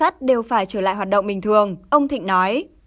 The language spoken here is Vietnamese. trở lại hoạt động bình thường ông thịnh nói